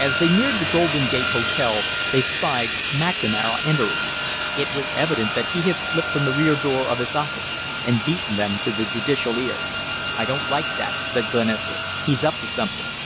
As they neared the Golden Gate Hotel they spied McNamara entering. It was evident that he had slipped from the rear door of his office and beaten them to the judicial ear. "I don't like that," said Glenister. "He's up to something."